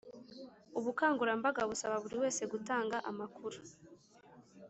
ubukangurambaga busaba buri wese gutanga amakuru